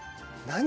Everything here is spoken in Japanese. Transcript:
何？